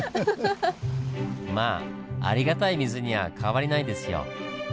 まあありがたい水には変わりないですよ。